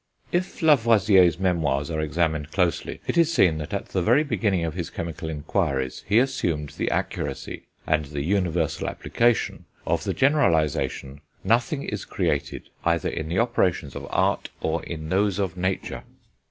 If Lavoisier's memoirs are examined closely, it is seen that at the very beginning of his chemical inquiries he assumed the accuracy, and the universal application, of the generalisation "nothing is created, either in the operations of art or in those of nature."